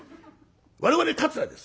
我々桂です。